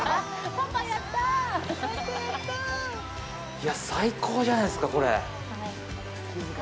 いやぁ、最高じゃないですか、これ！